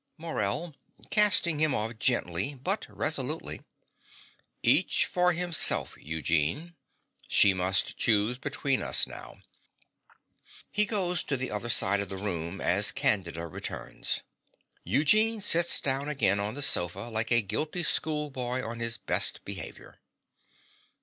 MORELL (casting him off gently, but resolutely). Each for himself, Eugene. She must choose between us now. (He goes to the other side of the room as Candida returns. Eugene sits down again on the sofa like a guilty schoolboy on his best behaviour.)